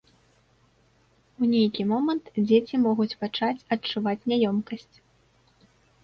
У нейкі момант дзеці могуць пачаць адчуваць няёмкасць.